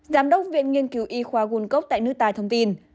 giám đốc viện nghiên cứu y khoa nguồn cốc tại nữ tài thông tin